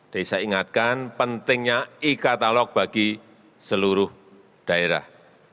jadi saya ingatkan pentingnya e katalog bagi seluruh daerah